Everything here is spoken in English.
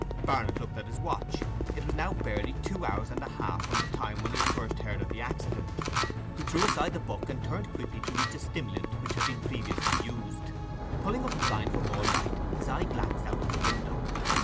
Barnet looked at his watch; it was now barely two hours and a half from the time when he had first heard of the accident. He threw aside the book and turned quickly to reach a stimulant which had previously been used. Pulling up the blind for more light, his eye glanced out of the window.